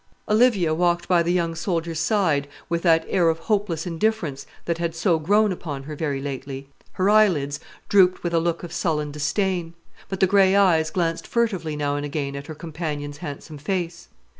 Olivia walked by the young soldier's side with that air of hopeless indifference that had so grown upon her very lately. Her eyelids drooped with a look of sullen disdain; but the grey eyes glanced furtively now and again at her companion's handsome face.